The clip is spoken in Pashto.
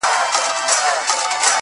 د لاسونو په پياله کې اوښکي راوړې.